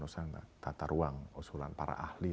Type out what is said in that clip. usulan tata ruang usulan para ahli